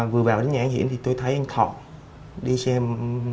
vừa vào đến nhà anh diễn thì tôi thấy anh thọ đi xem